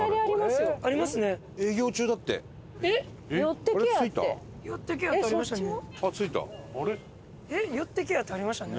よってけやってありましたね。